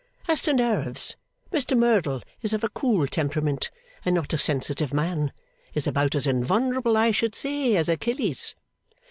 As to nerves, Mr Merdle is of a cool temperament, and not a sensitive man: is about as invulnerable, I should say, as Achilles.